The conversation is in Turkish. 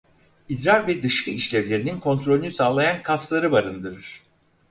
İdrar ve dışkı işlevlerinin kontrolünü sağlayan kasları barındırır.